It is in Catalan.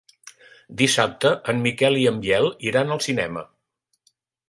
Dissabte en Miquel i en Biel iran al cinema.